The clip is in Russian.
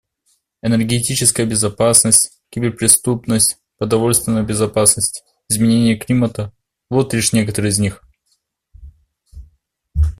Энергетическая безопасность, киберпреступность, продовольственная безопасность, изменение климата — вот лишь некоторые из них.